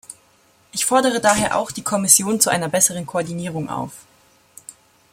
Ich fordere daher auch die Kommission zu einer besseren Koordinierung auf.